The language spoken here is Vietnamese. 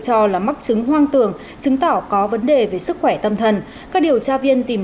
cho là mắc chứng hoang tường chứng tỏ có vấn đề về sức khỏe tâm thần các điều tra viên tìm